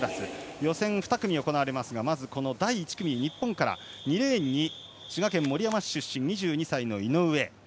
予選２組行われますがまずこの第１組、日本から２レーンに滋賀県出身、２２歳の井上。